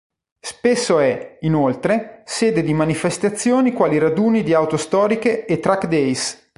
Spesso è, inoltre, sede di manifestazioni quali raduni di auto storiche e "track days".